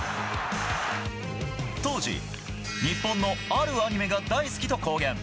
当時、日本のあるアニメが大好きと公言。